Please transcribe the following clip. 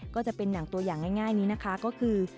ก็จะเป็นหนังตัวอย่างง่ายนี้นะคะก็คือ